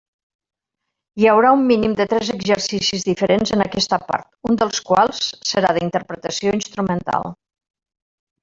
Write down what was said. Hi haurà un mínim de tres exercicis diferents en aquesta part, un dels quals serà d'interpretació instrumental.